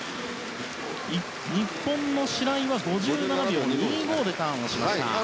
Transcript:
日本の白井は５７秒２５でターンをしました。